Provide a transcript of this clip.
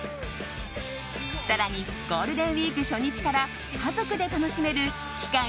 更にゴールデンウィーク初日から家族で楽しめる期間